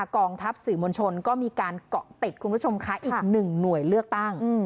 กองทัพสื่อมวลชนก็มีการเกาะติดคุณผู้ชมคะอีกหนึ่งหน่วยเลือกตั้ง